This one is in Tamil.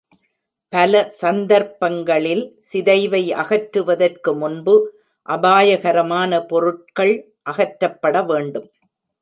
பல சந்தர்ப்பங்களில், சிதைவை அகற்றுவதற்கு முன்பு அபாயகரமான பொருட்கள் அகற்றப்பட வேண்டும்.